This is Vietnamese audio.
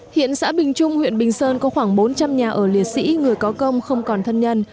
hiện xã bình trung huyện bình sơn có khoảng bốn trăm linh nhà ở liệt sĩ người có công không còn thân nhân